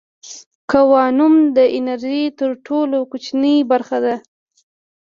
کوانوم د انرژۍ تر ټولو کوچنۍ برخه ده.